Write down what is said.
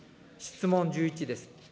質問１１です。